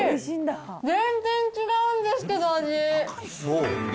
全然違うんですけど、味。